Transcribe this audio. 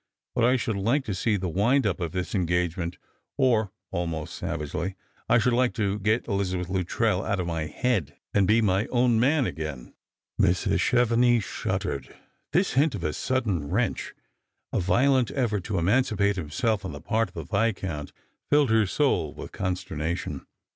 " But I should like to see the wind up of this engagement, or," almost savagely, " I should like to get Elizabeth Luttrell out of my head, and be my own man again." Mrs. Chevenix shuddered. This hint of a sudden wrench, a violent effort to emancipate himself, on the part of the Viscount, filled her soul with consternation.